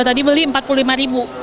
tadi beli rp empat puluh lima ribu